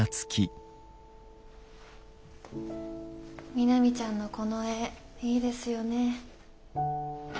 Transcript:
みなみちゃんのこの絵いいですよねえ。